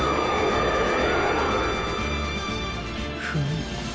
フム。